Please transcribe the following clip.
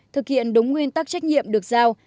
thực hiện đúng nguyên tắc trách nhiệm được giao